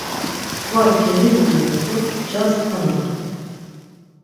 Kva gelingrinu do ncas konadu.